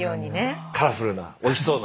カラフルなおいしそうな。